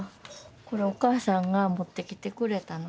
これお母さんが持ってきてくれたの。